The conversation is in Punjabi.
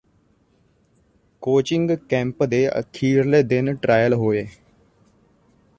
ਕੋਚਿੰਗ ਕੈਂਪ ਦੇ ਅਖੀਰਲੇ ਦਿਨ ਟਰਾਇਲ ਹੋਏ